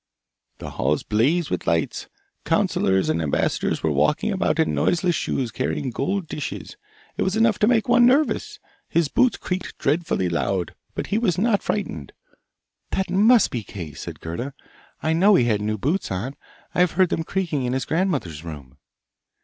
'The halls blazed with lights; councillors and ambassadors were walking about in noiseless shoes carrying gold dishes. It was enough to make one nervous! His boots creaked dreadfully loud, but he was not frightened.' 'That must be Kay!' said Gerda. 'I know he had new boots on; I have heard them creaking in his grandmother's room!